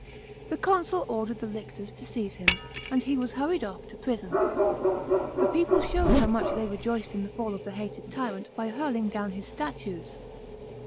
The consul ordered the lictors to seize him, and he was hurried off' to prison. The people showed how much they rejoiced in the fall of the hated tyrant, by hurling down his statues.